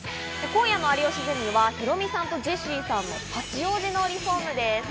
今夜の『有吉ゼミ』はヒロミさんとジェシーさんの八王子リフォームです。